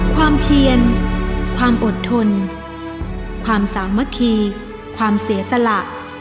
เพียนความอดทนความสามัคคีความเสียสละ